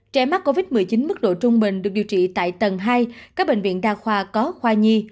trẻ mắc covid một mươi chín mức độ trung bình được điều trị tại tầng hai các bệnh viện đa khoa có khoa nhi